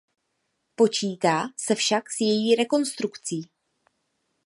Počítá se však s její rekonstrukcí.